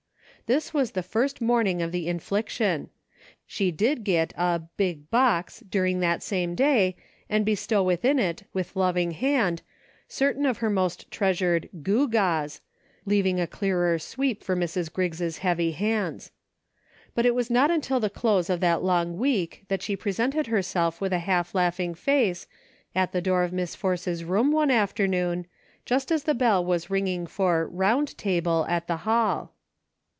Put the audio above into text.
This was the first morning of the infliction. She did get a " big box " during that same day, and bestow within it with loving hand, certain of her most treasured " gewgaws," leaving a clearer sweep for Mrs. Griggs' heavy hands. But it was not until A GREAT MANY " LITTLE THINGS." 283 th<^ close of that long week that she presented herself with a half laughmg face, at the door ot Miss Force's room, one afternoon, just as the bell was ringing for " Round Table " at the Hall.